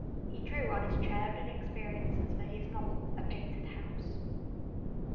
He drew on his childhood experiences for his novel "A Painted House".